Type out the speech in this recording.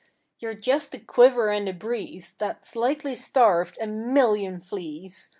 You're jest a quiver in the breeze That's likely starved a million fleas.